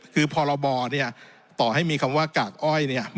คือพรบต่อให้มีคำว่ากากอ้อย